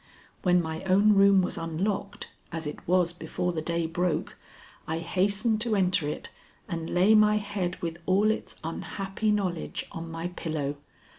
When my own room was unlocked, as it was before the day broke, I hastened to enter it and lay my head with all its unhappy knowledge on my pillow.